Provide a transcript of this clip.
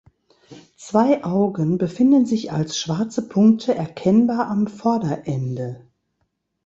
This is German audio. Zwei Augen befinden sich als schwarze Punkte erkennbar am Vorderende.